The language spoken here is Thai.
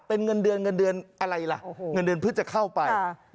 เป็นเงินเดือนเงินเดือนอะไรล่ะเงินเดือนเพื่อจะเข้าไป